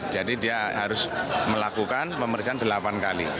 jadi dia harus melakukan pemeriksaan delapan kali